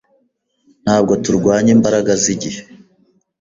Ntabwo turwanya imbaraga zigihe